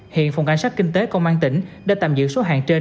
hiện phòng cảnh sát kinh tế công an tỉnh đã tạm giữ số hàng trên